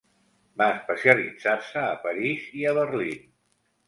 Va especialitzar-se a París i a Berlín.